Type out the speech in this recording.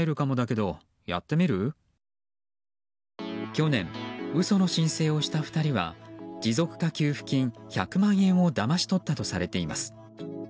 去年、嘘の申請をした２人は持続化給付金１００万円をだまし取ったとされています。